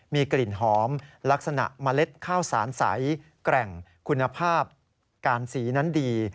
มีกลิ่นหอมลักษณะเมล็ดข้าวสารใสแกร่งคุณภาพการสีนั้นดี